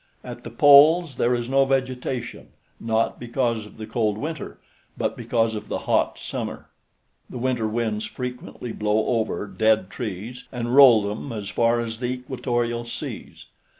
At the poles there is no vegetation, not because of the cold winter, but because of the hot summer. The winter winds frequently blow over dead trees and roll them as far as the equatorial seas.